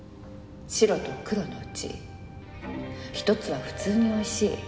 白と黒のうち１つは普通においしい。